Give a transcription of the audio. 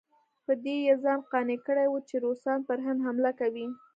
په دې یې ځان قانع کړی وو چې روسان پر هند حمله کوي.